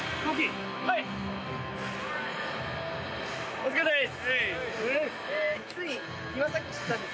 お疲れさまです。